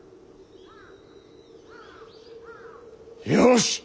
よし！